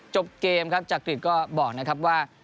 จบเกมครับจักริตก็บอกนะครับว่า